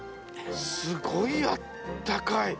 すごいあったかい。